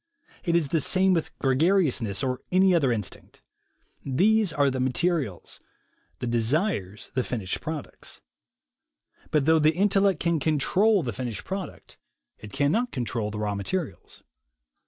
It is the same with gregariousness, or any other instinct. These are the materials; the desires the finished products. But thougn the intellect can control the finished product, it cannot control the raw materials.